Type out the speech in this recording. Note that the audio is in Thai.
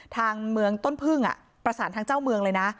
ทางเมืองต้นพึ่งประสานทางเจ้าเมืองเลยนะ